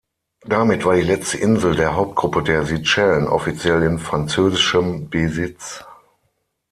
Damit war die letzte Insel der Hauptgruppe der Seychellen offiziell in französischem Besitz.